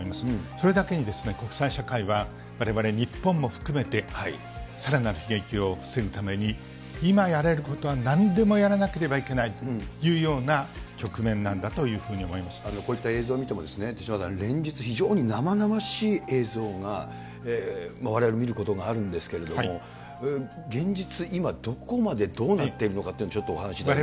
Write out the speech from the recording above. それだけに、国際社会はわれわれ日本も含めて、さらなる悲劇を防ぐために、今やれることはなんでもやらなければいけないというような局面なこういった映像を見ても、手嶋さん、連日、非常に生々しい映像がわれわれ見ることがあるんですけれども、現実、今、どこまでどうなってるのかというのをちょっとお話しいただけます